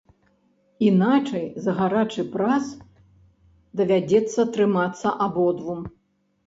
Іначай за гарачы прас давядзецца трымацца абодвум.